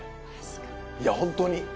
いや本当にあの。